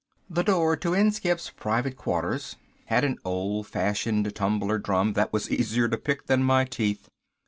The door to Inskipp's private quarters had an old fashioned tumbler drum that was easier to pick than my teeth.